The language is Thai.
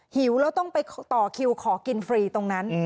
หิวแล้วต้องไปต่อคิวขอกินฟรีตรงนั้น